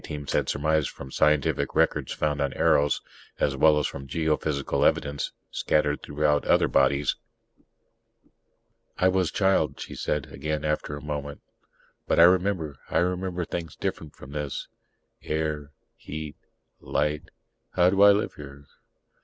Teams had surmised from scientific records found on Eros, as well as from geophysical evidence scattered throughout the other bodies.) "I was child," she said again after a moment. "But I remember I remember things different from this. Air ... heat ... light ... how do I live here?"